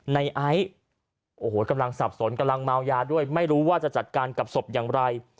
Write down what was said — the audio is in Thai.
ในไอซ์โอ้โหกำลังสับสนกำลังเมายาด้วยไม่รู้ว่าจะจัดการกับศพอย่างไร